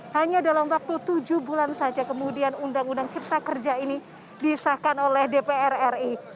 hanya dalam waktu tujuh bulan saja kemudian undang undang cipta kerja ini disahkan oleh dpr ri